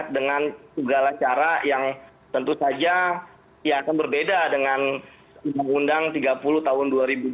dengan segala cara yang tentu saja ya akan berbeda dengan undang undang tiga puluh tahun dua ribu dua puluh